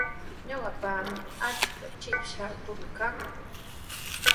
Ñuqapami achka chipshaakuna kan.